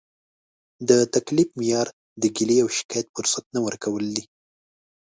د تکلیف معیار د ګیلې او شکایت فرصت نه ورکول دي.